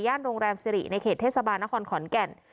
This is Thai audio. โรงแรมสิริในเขตเทศบาลนครขอนแก่น